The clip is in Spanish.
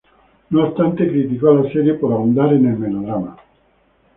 No obstante criticó a la serie por "ahondar en el melodrama".